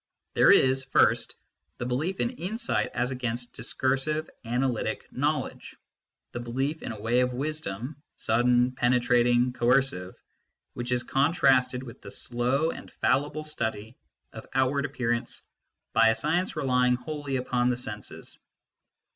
There is, first, the belief in insight as against discur sive analytic knowledge : the belief in a way of wisdom, sudden, penetrating, coercive, which is contrasted with the slow and fallible study of outward appearance by a science relying wholly upon the senses.